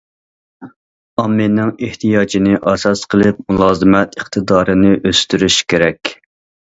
ئاممىنىڭ ئېھتىياجىنى ئاساس قىلىپ، مۇلازىمەت ئىقتىدارىنى ئۆستۈرۈش كېرەك.